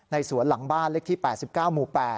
สวนหลังบ้านเลขที่๘๙หมู่๘